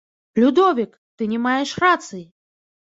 Людовік, ты не маеш рацыі!